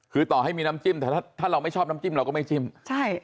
คือต่อให้มีน้ำจิ้มแต่ถ้าถ้าเราไม่ชอบน้ำจิ้มเราก็ไม่จิ้มใช่